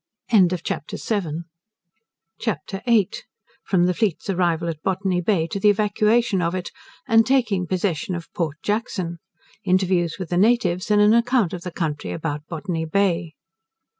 CHAPTER VIII. From the Fleet's Arrival at Botany Bay to the Evacuation of it; and taking Possession of Port Jackson. Interviews with the Natives; and an Account of the Country about Botany Bay.